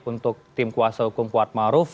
untuk tim kuasa hukum kuat maruf